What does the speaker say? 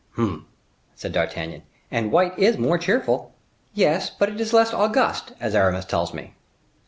"Humph!" said D'Artagnan, "and white is more cheerful." "Yes, but it is less august, as Aramis tells me.